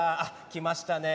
来ましたね。